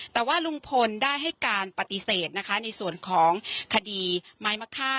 แต่ว่าลุงพลได้ให้การปฏิเสธนะคะในส่วนของคดีไม้มะค่า